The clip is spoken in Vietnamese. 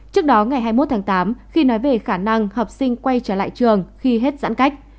trước đó ngày hai mươi một tháng tám khi nói về khả năng học sinh quay trở lại trường khi hết giãn cách